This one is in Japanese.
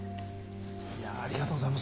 ありがとうございます。